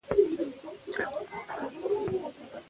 افغانستان د کندهار له امله شهرت لري.